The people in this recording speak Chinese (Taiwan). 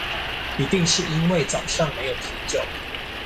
一定是因為早上沒有啤酒